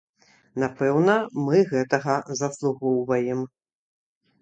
Напэўна, мы гэтага заслугоўваем.